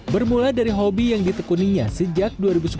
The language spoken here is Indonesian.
bermula dari hobi yang ditekuninya sejak dua ribu sepuluh